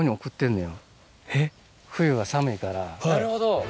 なるほど。